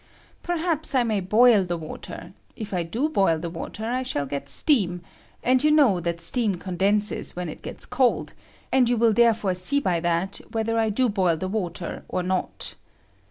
Perhaps I may boil the water ; if I do boil the water I shall get steam; and you know that ateam condenses when it gets cold, and you will therefore see by that whether I do boil the water or not.